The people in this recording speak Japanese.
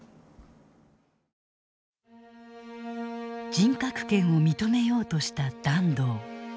人格権を認めようとした團藤。